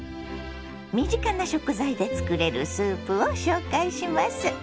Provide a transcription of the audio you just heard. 身近な食材で作れるスープを紹介します。